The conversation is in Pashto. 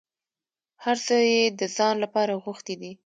هر څه یې د ځان لپاره غوښتي دي.